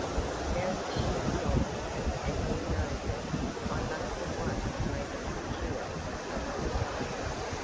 Now that she is gone, and he knows it, I must at once make it secure in some other way.